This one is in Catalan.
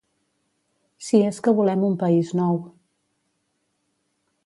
Si és que volem un país nou.